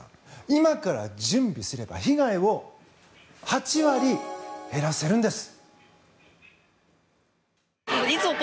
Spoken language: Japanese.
今から準備すれば被害を８割減らせるんです。